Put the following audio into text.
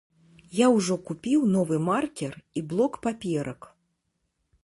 Я ўжо купіў новы маркер і блок паперак.